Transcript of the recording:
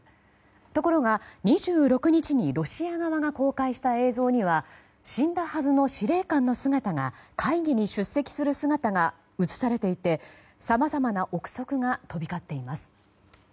ところが２６日にロシア側が公開した映像には死んだはずの司令官の姿が会議に出席する姿が映されていて、さまざまな憶測が飛び交っています。